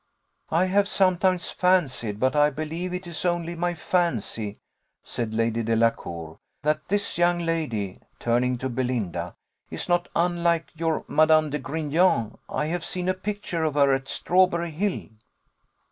"I have sometimes fancied, but I believe it is only my fancy," said Lady Delacour, "that this young lady," turning to Belinda, "is not unlike your Mad. de Grignan. I have seen a picture of her at Strawberry hill."